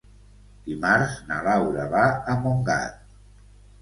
Dimarts na Laura va a Montgat.